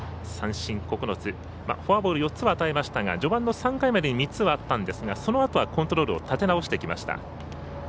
三振９つフォアボール４つは与えましたが序盤の３回までに３つあったんですがそのあとはコントロールを立て直してきました。